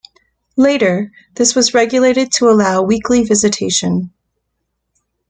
Later, this was regulated to allow weekly visitation.